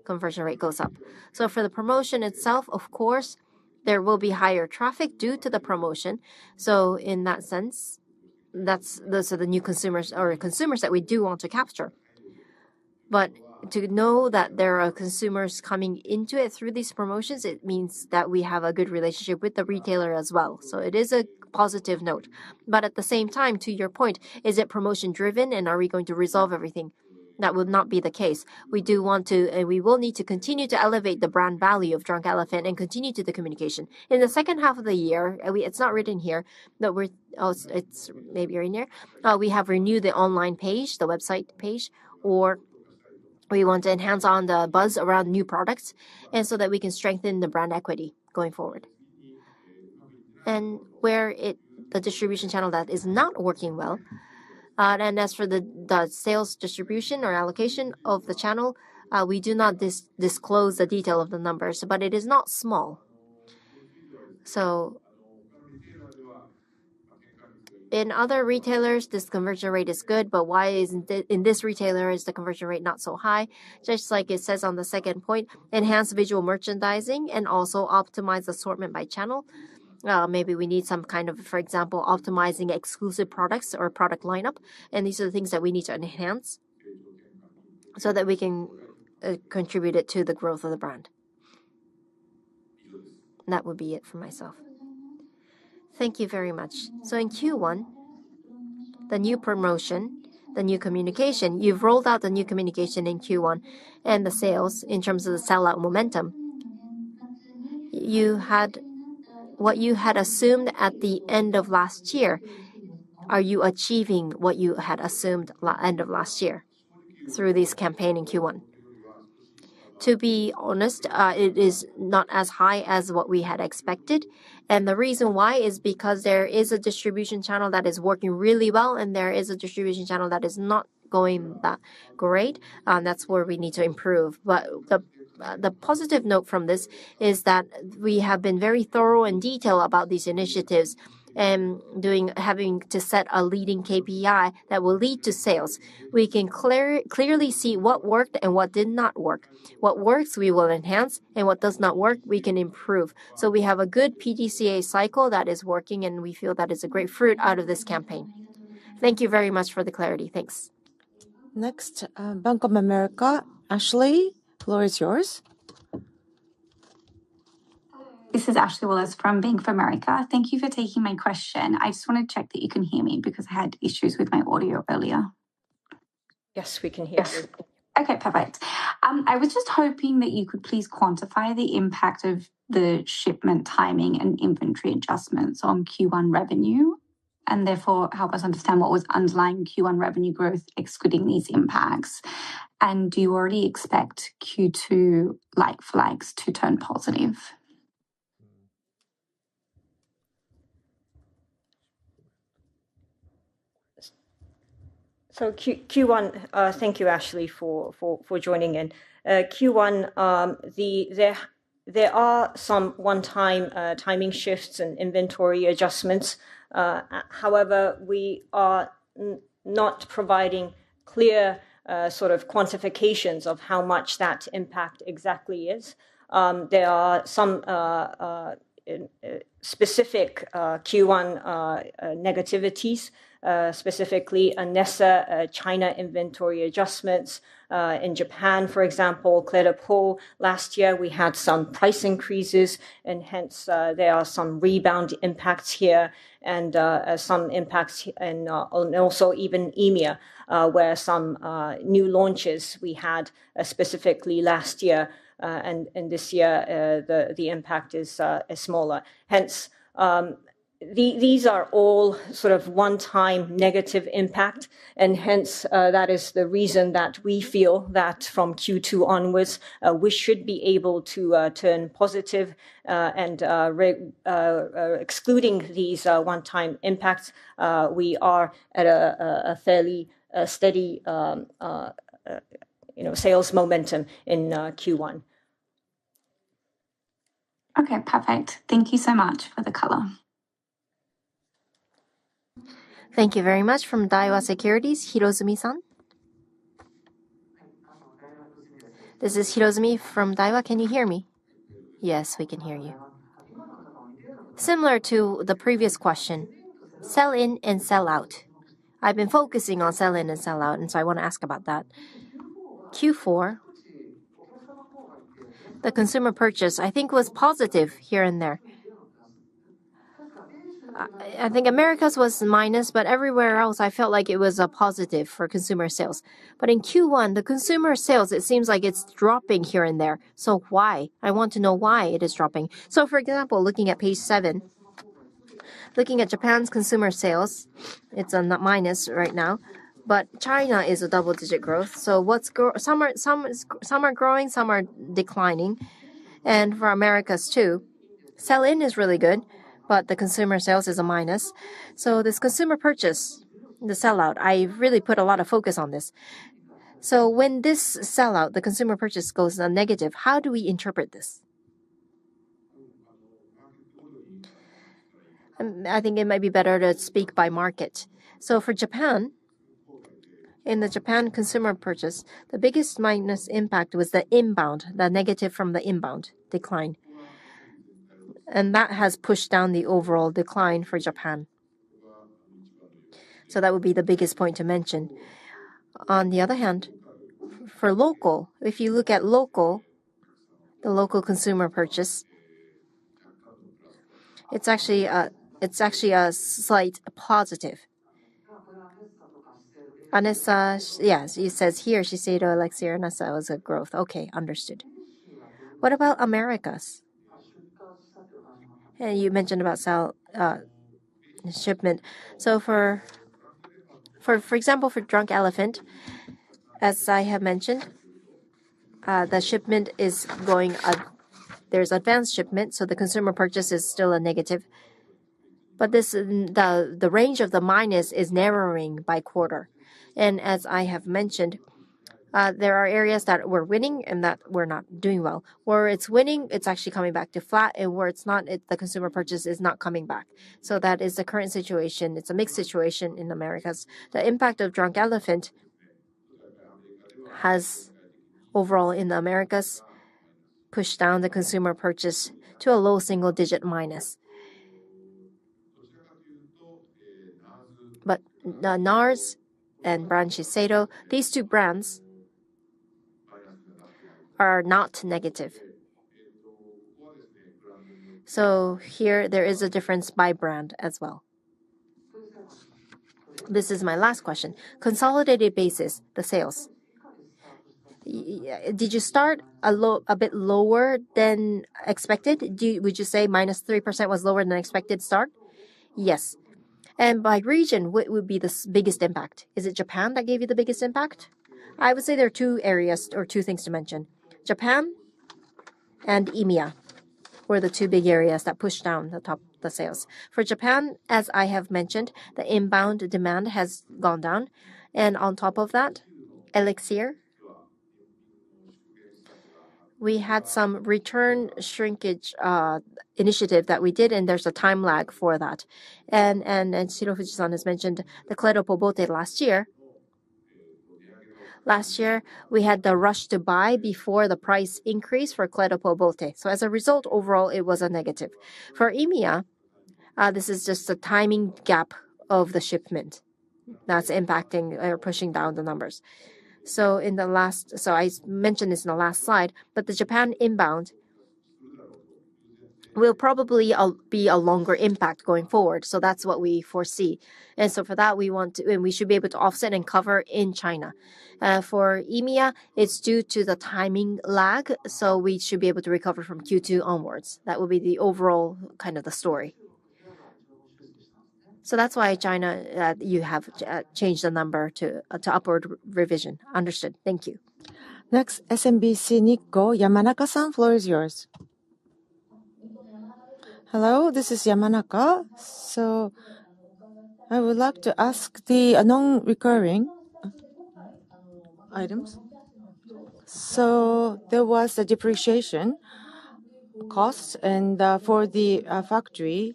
Conversion rate goes up. For the promotion itself, of course, there will be higher traffic due to the promotion. In that sense, those are the new consumers or consumers that we do want to capture. To know that there are consumers coming into it through these promotions, it means that we have a good relationship with the retailer as well. It is a positive note. At the same time, to your point, is it promotion driven and are we going to resolve everything? That would not be the case. We do want to, and we will need to continue to elevate the brand value of Drunk Elephant and continue to the communication. In the second half of the year, it's not written here, but we're Oh, it's maybe in there. We have renewed the online page, the website page, or we want to enhance on the buzz around new products so that we can strengthen the brand equity going forward. Where the distribution channel that is not working well, as for the sales distribution or allocation of the channel, we do not disclose the detail of the numbers, but it is not small. In other retailers, this conversion rate is good, but why isn't it in this retailer is the conversion rate not so high? Just like it says on the second point, enhance visual merchandising and also optimize assortment by channel. Maybe we need some kind of, for example, optimizing exclusive products or product lineup, and these are the things that we need to enhance so that we can contribute it to the growth of the brand. That would be it for myself. Thank you very much. In Q1, the new promotion, the new communication, you've rolled out the new communication in Q1 and the sales in terms of the sellout momentum. What you had assumed at the end of last year, are you achieving what you had assumed end of last year through this campaign in Q1? To be honest, it is not as high as what we had expected. The reason why is because there is a distribution channel that is working really well, and there is a distribution channel that is not going that great. That's where we need to improve. The positive note from this is that we have been very thorough and detailed about these initiatives and having to set a leading KPI that will lead to sales. We can clearly see what worked and what did not work. What works, we will enhance, and what does not work, we can improve. We have a good PDCA cycle that is working, and we feel that is a great fruit out of this campaign. Thank you very much for the clarity. Thanks. Next, Bank of America. Ashley, floor is yours. This is Ashley Wallace from Bank of America. Thank you for taking my question. I just wanna check that you can hear me because I had issues with my audio earlier. Yes, we can hear you. Yes. Okay, perfect. I was just hoping that you could please quantify the impact of the shipment timing and inventory adjustments on Q1 revenue, and therefore help us understand what was underlying Q1 revenue growth excluding these impacts. Do you already expect Q2 like-for-likes to turn positive? Thank you Ashley for joining in. Q1, there are some one-time timing shifts and inventory adjustments. However, we are not providing clear sort of quantifications of how much that impact exactly is. There are some specific Q1 negativities, specifically ANESSA China inventory adjustments. In Japan, for example, Clé de Peau. Last year we had some price increases and hence, there are some rebound impacts here and some impacts and also even EMEA, where some new launches we had specifically last year and this year, the impact is smaller. Hence, these are all sort of one-time negative impact and hence, that is the reason that we feel that from Q2 onwards, we should be able to turn positive. Excluding these one-time impacts, we are at a fairly steady, you know, sales momentum in Q1. Okay. Perfect. Thank you so much for the color. Thank you very much. From Daiwa Securities, Hirozumi-san. This is Hirozumi from Daiwa. Can you hear me? Yes, we can hear you. Similar to the previous question, sell-in and sell-out. I've been focusing on sell-in and sell-out, so I wanna ask about that. Q4, the consumer purchase, I think was positive here and there. I think Americas was minus, everywhere else I felt like it was a positive for consumer sales. In Q1, the consumer sales, it seems like it's dropping here and there. Why? I want to know why it is dropping. For example, looking at page seven, looking at Japan's consumer sales, it's on the minus right now, China is a double-digit growth. some are growing, some are declining. For Americas too, sell-in is really good, the consumer sales is a minus. This consumer purchase, the sell-out, I really put a lot of focus on this. When this sell-out, the consumer purchase goes negative, how do we interpret this? I think it might be better to speak by market. For Japan, in the Japan consumer purchase, the biggest minus impact was the inbound, the negative from the inbound decline, and that has pushed down the overall decline for Japan. That would be the biggest point to mention. On the other hand, for local, if you look at the local consumer purchase, it's actually a slight positive. ANESSA. Yes. He says here, Shiseido, ELIXIR, ANESSA was a growth. Okay, understood. What about Americas? Yeah, you mentioned about shipment. For example, for Drunk Elephant, as I have mentioned, the shipment is going up. There's advanced shipment. The consumer purchase is still a negative. The range of the minus is narrowing by quarter. As I have mentioned, there are areas that we're winning and that we're not doing well. Where it's winning, it's actually coming back to flat, and where it's not, the consumer purchase is not coming back. That is the current situation. It's a mixed situation in Americas. The impact of Drunk Elephant has overall in the Americas pushed down the consumer purchase to a low single-digit minus. The NARS and brand Shiseido, these two brands are not negative. Here there is a difference by brand as well. This is my last question. Consolidated basis, the sales. Yeah. Did you start a bit lower than expected? Would you say -3% was lower than expected start? Yes. By region, what would be the biggest impact? Is it Japan that gave you the biggest impact? I would say there are two areas or two things to mention. Japan and EMEA were the two big areas that pushed down the top, the sales. For Japan, as I have mentioned, the inbound demand has gone down, and on top of that, ELIXIR. We had some return shrinkage initiative that we did, and there's a time lag for that. And Kentaro Fujiwara has mentioned the Clé de Peau Beauté last year. Last year, we had the rush to buy before the price increase for Clé de Peau Beauté. As a result, overall, it was a negative. For EMEA, this is just a timing gap of the shipment that's impacting or pushing down the numbers. In the last-- I mentioned this in the last slide, but the Japan inbound will probably be a longer impact going forward. That's what we foresee. For that, we should be able to offset and cover in China. For EMEA, it's due to the timing lag, so we should be able to recover from Q2 onwards. That would be the overall kind of the story. That's why China, you have changed the number to upward revision. Understood. Thank you. Next, SMBC Nikko, Yamanaka-san, floor is yours. Hello, this is Yamanaka. I would like to ask the non-recurring items. There was a depreciation costs for the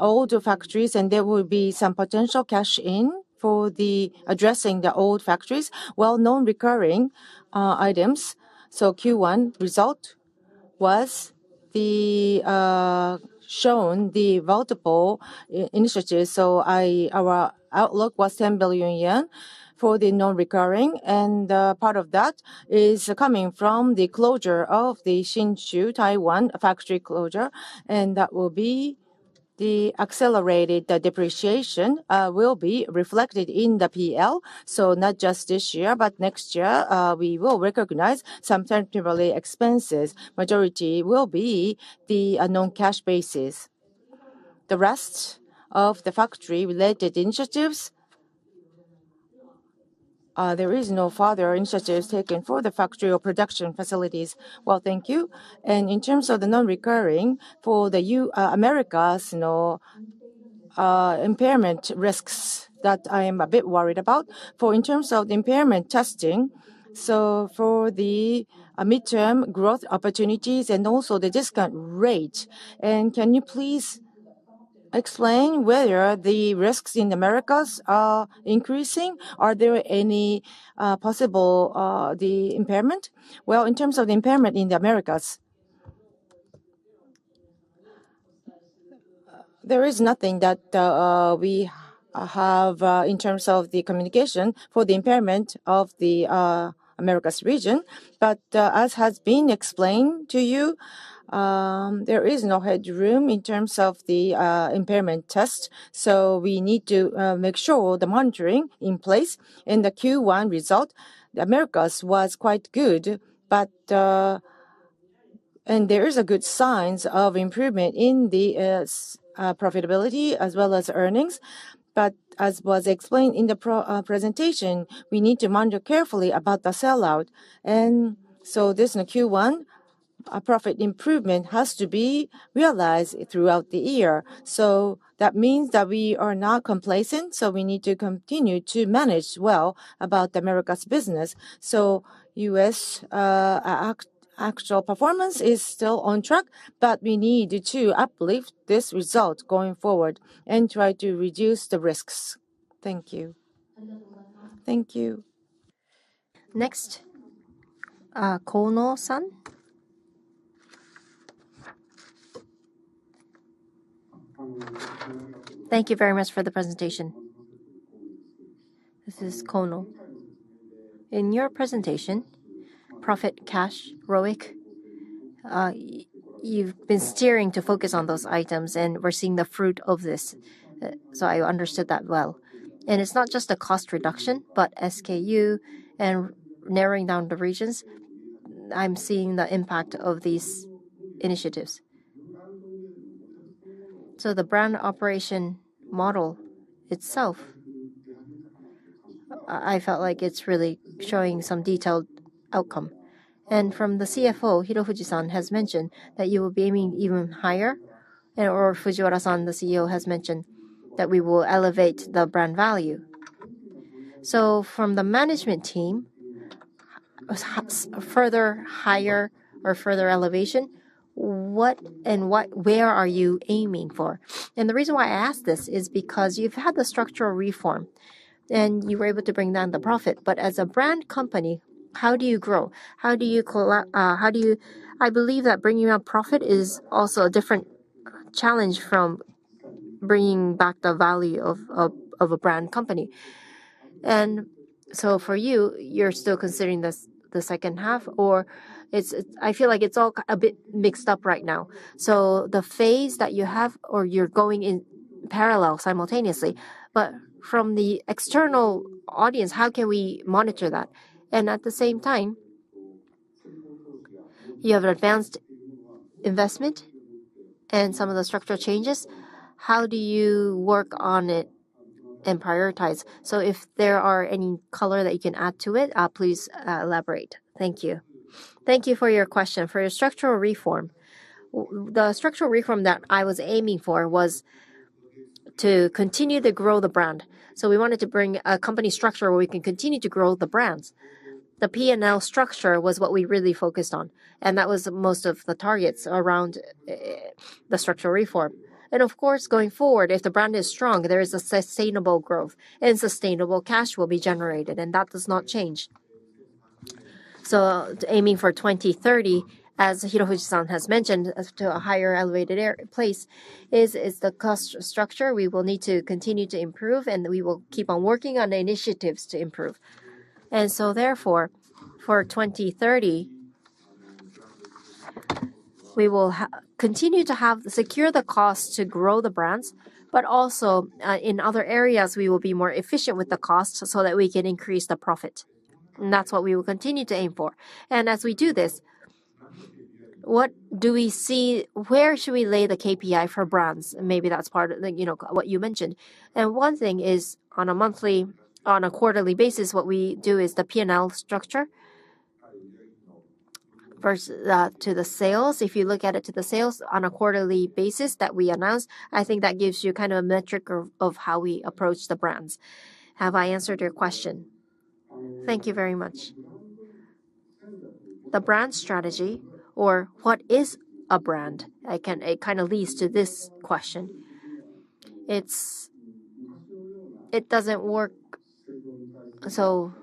older factories, and there will be some potential cash in for the addressing the old factories. Well, non-recurring items. Q1 result was the shown the multiple initiatives. Our outlook was 10 billion yen for the non-recurring. Part of that is coming from the closure of the Hsinchu, Taiwan factory closure, and that will be the accelerated depreciation will be reflected in the PL. Not just this year, but next year, we will recognize some temporarily expenses. Majority will be the non-cash basis. The rest of the factory-related initiatives, there is no further initiatives taken for the factory or production facilities. Well, thank you. In terms of the non-recurring for the Americas, you know, impairment risks that I am a bit worried about. In terms of the impairment testing, for the midterm growth opportunities and also the discount rate. Can you please explain whether the risks in Americas are increasing? Are there any possible impairment? Well, in terms of the impairment in the Americas, there is nothing that we have in terms of the communication for the impairment of the Americas region. As has been explained to you, there is no headroom in terms of the impairment test, we need to make sure the monitoring in place. In the Q1 result, the Americas was quite good. There are good signs of improvement in profitability as well as earnings. As was explained in the presentation, we need to monitor carefully about the sellout. This in Q1, a profit improvement has to be realized throughout the year. That means that we are not complacent, so we need to continue to manage well about the Americas business. U.S., actual performance is still on track, but we need to uplift this result going forward and try to reduce the risks. Thank you. Thank you. Next, Kono-san. Thank you very much for the presentation. This is Kono. In your presentation, profit, cash, ROIC, you've been steering to focus on those items, and we're seeing the fruit of this. So I understood that well. It's not just the cost reduction, but SKU and narrowing down the regions. I'm seeing the impact of these initiatives. The brand operation model itself, I felt like it's really showing some detailed outcome. From the CFO, Hirofuji-san has mentioned that you will be aiming even higher. Or Fujiwara-san, the CEO, has mentioned that we will elevate the brand value. From the management team, how further, higher or further elevation, where are you aiming for? The reason why I ask this is because you've had the structural reform, and you were able to bring down the profit. As a brand company, how do you grow? How do you, I believe that bringing up profit is also a different challenge from bringing back the value of a brand company. For you're still considering this the second half, or I feel like it's all a bit mixed up right now. The phase that you have or you're going in parallel simultaneously, but from the external audience, how can we monitor that? At the same time, you have advanced investment and some of the structural changes. How do you work on it and prioritize? If there are any color that you can add to it, please elaborate. Thank you. Thank you for your question. For your structural reform, the structural reform that I was aiming for was to continue to grow the brand. We wanted to bring a company structure where we can continue to grow the brands. The P&L structure was what we really focused on, and that was most of the targets around the structural reform. Of course, going forward, if the brand is strong, there is a sustainable growth and sustainable cash will be generated, and that does not change. Aiming for 2030, as Hirofuji-san has mentioned, as to a higher elevated place is the cost structure we will need to continue to improve, and we will keep on working on the initiatives to improve. Therefore, for 2030, we will continue to have secure the cost to grow the brands. Also, in other areas, we will be more efficient with the cost so that we can increase the profit. That's what we will continue to aim for. As we do this, what do we see? Where should we lay the KPI for brands? Maybe that's part of the, you know, what you mentioned. One thing is on a monthly, on a quarterly basis, what we do is the P&L structure. First, to the sales. If you look at it to the sales on a quarterly basis that we announced, I think that gives you kind of a metric of how we approach the brands. Have I answered your question? Thank you very much. The brand strategy or what is a brand? It kind of leads to this question. It doesn't work, so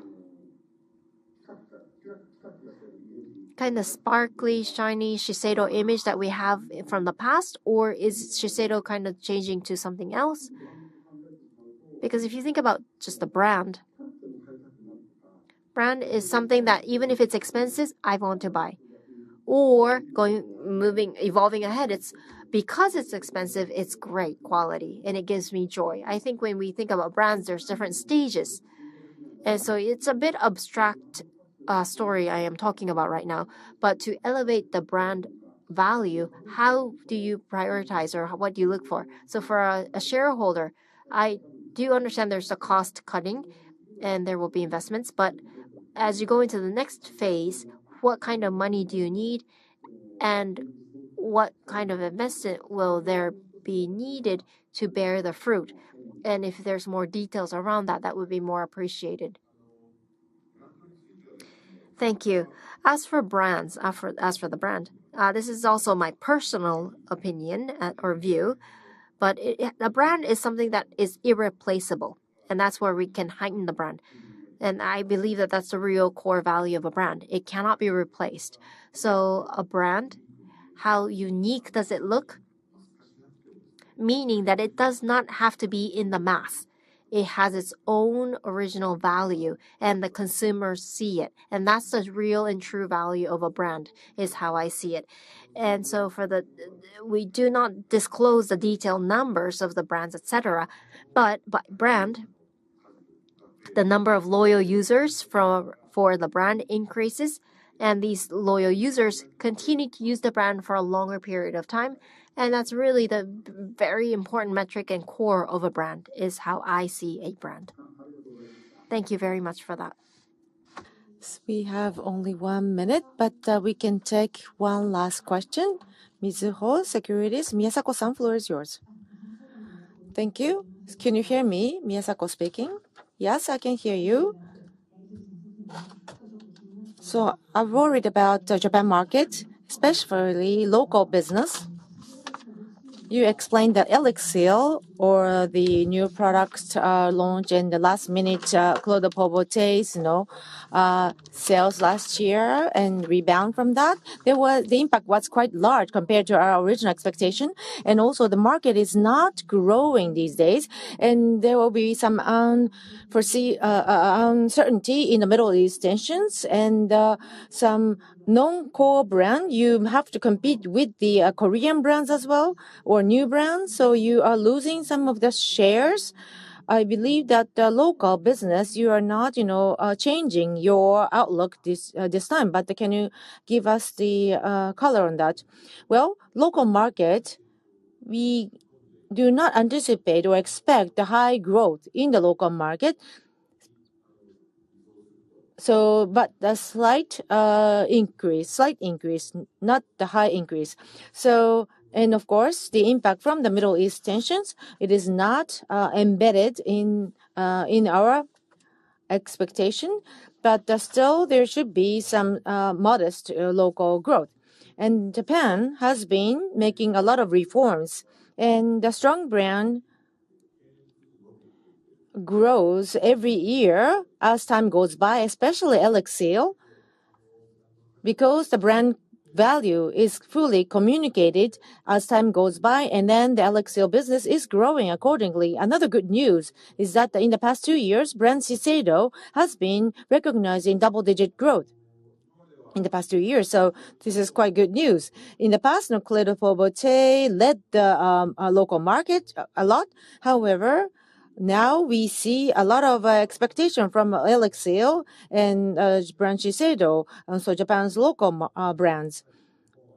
kinda sparkly, shiny Shiseido image that we have from the past, or is Shiseido kind of changing to something else? Because if you think about just the brand is something that even if it's expensive, I want to buy. Going, moving, evolving ahead, it's because it's expensive, it's great quality, and it gives me joy. I think when we think about brands, there's different stages. It's a bit abstract story I am talking about right now. To elevate the brand value, how do you prioritize or what do you look for? For a shareholder, I do understand there's a cost cutting and there will be investments. As you go into the next phase, what kind of money do you need and what kind of investment will there be needed to bear the fruit? If there's more details around that would be more appreciated. Thank you. As for brands, as for the brand, this is also my personal opinion or view, but a brand is something that is irreplaceable, and that's where we can heighten the brand. I believe that that's the real core value of a brand. It cannot be replaced. A brand, how unique does it look? Meaning that it does not have to be in the mass. It has its own original value, and the consumers see it. That's the real and true value of a brand, is how I see it. We do not disclose the detailed numbers of the brands, et cetera. By brand, the number of loyal users for the brand increases, and these loyal users continue to use the brand for a longer period of time. That's really the very important metric and core of a brand, is how I see a brand. Thank you very much for that. We have only one minute, but we can take one last question. Mizuho Securities, Miyasako-san, floor is yours. Thank you. Can you hear me? Miyasako speaking. Yes, I can hear you. I'm worried about the Japan market, especially local business. You explained that ELIXIR or the new products, launch in the last minute, Clé de Peau Beauté, you know, sales last year and rebound from that. The impact was quite large compared to our original expectation, and also the market is not growing these days, and there will be some uncertainty in the Middle East tensions and some non-core brand. You have to compete with the Korean brands as well or new brands, so you are losing some of the shares. I believe that the local business, you are not, you know, changing your outlook this time, but can you give us the color on that? Local market, we do not anticipate or expect the high growth in the local market. A slight increase, not the high increase. Of course, the impact from the Middle East tensions, it is not embedded in our expectation. Still there should be some modest local growth. Japan has been making a lot of reforms, and the strong brand grows every year as time goes by, especially ELIXIR, because the brand value is fully communicated as time goes by, and then the ELIXIR business is growing accordingly. Another good news is that in the past two years, brand Shiseido has been recognizing double-digit growth in the past two years, this is quite good news. In the past, Clé de Peau Beauté led the local market a lot. However, now we see a lot of expectation from ELIXIR and brand Shiseido, Japan's local brands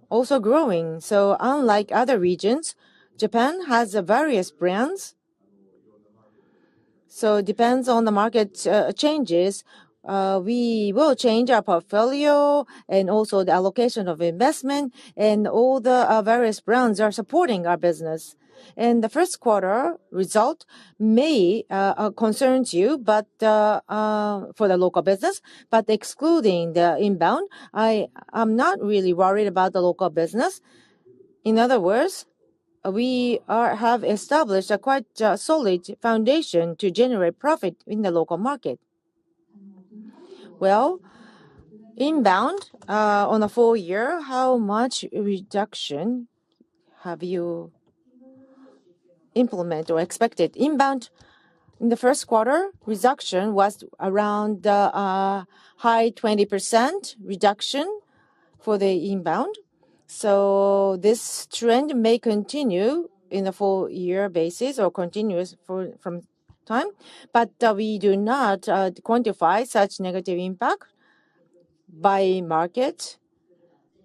also growing. Depends on the market changes, we will change our portfolio and also the allocation of investment and all the various brands are supporting our business. The first quarter result may concerns you, for the local business. Excluding the inbound, I am not really worried about the local business. In other words, we have established a quite solid foundation to generate profit in the local market. Well, inbound, on the full year, how much reduction have you implement or expected? Inbound in the first quarter, reduction was around high 20% reduction for the inbound. This trend may continue in a full year basis or continues for from time. We do not quantify such negative impact by market.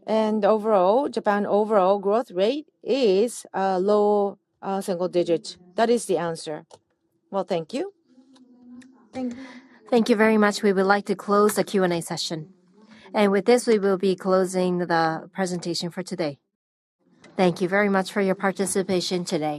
Overall, Japan overall growth rate is low single digit. That is the answer. Well, thank you. Thank you very much. We would like to close the Q&A session. With this, we will be closing the presentation for today. Thank you very much for your participation today.